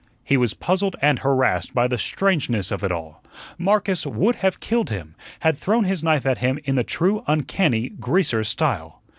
He was puzzled and harassed by the strangeness of it all. Marcus would have killed him; had thrown his knife at him in the true, uncanny "greaser" style.